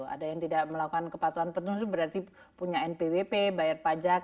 ada yang tidak melakukan kepatuhan penuh itu berarti punya npwp bayar pajak